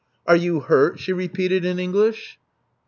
'*Are you hurt?" she repeated in English.